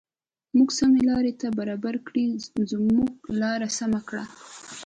موږ سمې لارې ته برابر کړې زموږ لار سمه کړه.